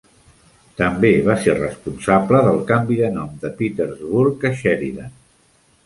També va ser responsable del canvi de nom de Petersburg a Sheridan.